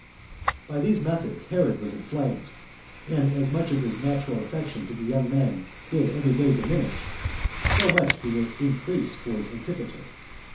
2. By these methods Herod was inflamed, and as much as his natural affection to the young men did every day diminish, so much did it increase towards Antipater.